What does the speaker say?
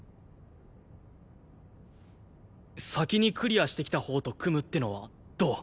先にクリアしてきたほうと組むってのはどう？